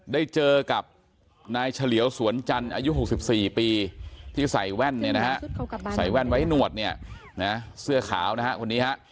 ได้เจอกับนายเธอลี๋วสวนจันทร์อายุ๖๔ปีที่ใส่แว่นไว้หนวดเสื้อขาวคนนี้ฮะ